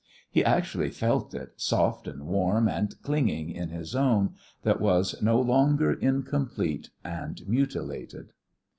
He actually felt it, soft and warm and clinging in his own, that was no longer incomplete and mutilated.